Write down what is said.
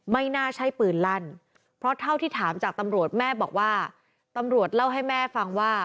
ไม่น่าใช่ปืนลั่นเพราะเท่าที่ถามจากตำรวจแม่บอกว่าตำรวจเล่าให้แม่ฟังว่า